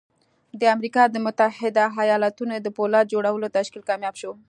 د امريکا د متحده ايالتونو د پولاد جوړولو تشکيل کامياب شو.